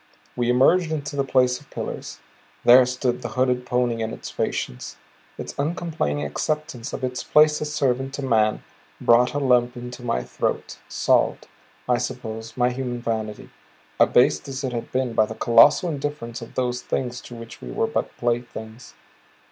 We emerged into the place of pillars. There stood the hooded pony and its patience, its uncomplaining acceptance of its place as servant to man brought a lump into my throat, salved, I suppose, my human vanity, abased as it had been by the colossal indifference of those things to which we were but playthings.